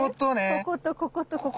こことこことここ。